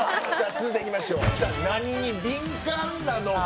続いていきましょう何に敏感なのか。